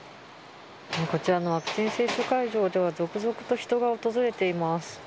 こちらのワクチン接種会場では続々と人が訪れています。